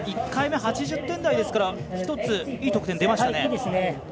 １回目、８０点台ですからいい点数出ましたね。